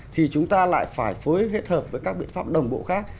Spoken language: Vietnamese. thì chúng ta lại phải phối kết hợp với các biện pháp đồng bộ khác